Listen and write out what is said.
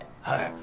はい。